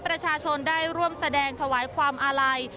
ประชาชนได้ร่วมแสดงถวายความอาลัย